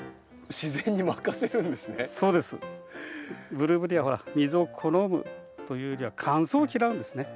ブルーベリーは水を好むというよりは乾燥を嫌うんですね。